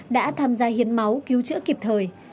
đã tham gia hiến máu cứu chữa kịp thời